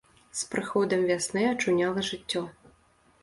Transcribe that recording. З прыходам вясны ачуняла жыццё.